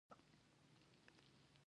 دوی کولی شول له یوې ځمکې بلې ته لاړ شي.